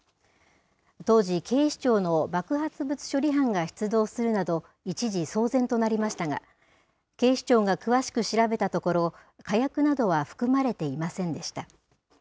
当時、警視庁の爆発物処理班が出動するなど、一時、騒然となりましたが、警視庁が詳しく調べたところ、火薬などは含まれていませんでした。